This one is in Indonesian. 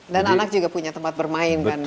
dan anak juga punya tempat bermain kan disitu